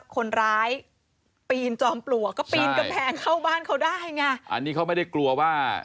คนร้ายปีนจอมปลวกก็ปีนกำแพงเข้าบ้านเขาได้ไงอันนี้เขาไม่ได้กลัวว่า